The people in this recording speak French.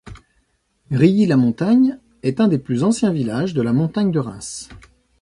Rilly-la-Montagne est un des plus anciens villages de la Montagne de Reims.